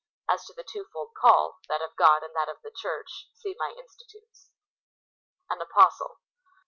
As to the twofold call — that of God and that of the Church — see my Institutes.^ An A2}0stle.